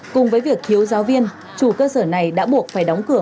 cùng với việc thiếu giáo viên chủ cơ sở này đã buộc phải đóng cửa